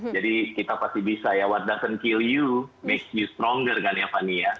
jadi kita pasti bisa ya what doesn't kill you makes you stronger kan ya fani ya